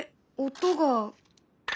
音が。